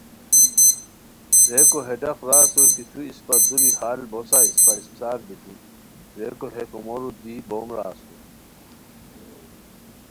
ریکو ہے ڈاق را اسور کی تو اسپہ دوری ہال بوسا اسپہ اسپڅار بیتی؟ ریکو ہے کومورو دی بوم را اسور